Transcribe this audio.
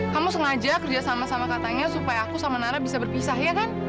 kamu sengaja kerjasama sama sama katanya supaya aku sama nara bisa berpisah ya kan